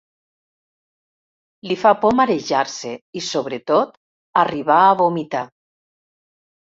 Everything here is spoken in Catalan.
Li fa por marejar-se i, sobretot, arribar a vomitar.